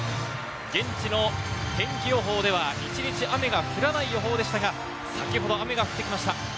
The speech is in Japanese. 現地の天気予報では一日雨が降らない予報でしたが先ほど雨が降ってきました。